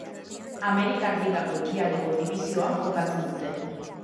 Amerikar Ligako Ekialdeko Dibisioan jokatzen dute.